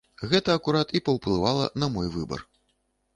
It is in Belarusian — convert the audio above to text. Гэта акурат і паўплывала на мой выбар.